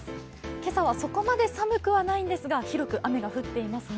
今朝はそこまで寒くはないんですが広く雨が降っていますね。